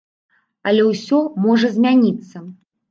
Але ўсё можа змяніцца.